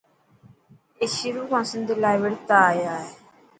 اي شروع کان سنڌ لاءِ وڙهتا آيا هي.